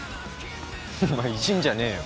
お前いじんじゃねえよ。